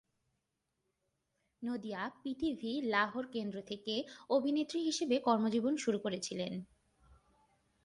Nadia PTV Lahore কেন্দ্র থেকে অভিনেত্রী হিসাবে কর্মজীবন শুরু করেছিলেন।